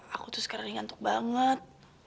aku tuh sekarang ngantuk banget